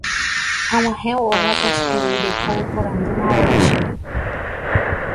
Ag̃uahẽvo ógape che rembireko oporandumavoi chéve.